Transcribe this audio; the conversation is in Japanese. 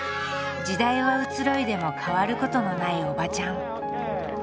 時代は移ろいでも変わることのないおばちゃん。